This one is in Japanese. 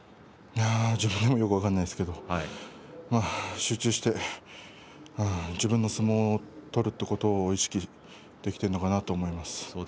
自分でも分からないですけれども集中して自分の相撲を取るということができているのかなと思います。